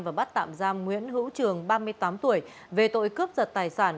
và bắt tạm giam nguyễn hữu trường ba mươi tám tuổi về tội cướp giật tài sản